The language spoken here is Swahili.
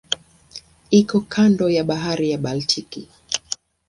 Iko kando ya Bahari ya Baltiki.